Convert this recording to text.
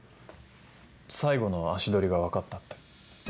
最後の足取りが分かったって。